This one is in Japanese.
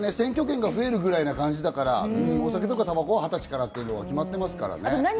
選挙権が増えるぐらいな感じだから、お酒とかタバコは二十歳からと決まってますからね。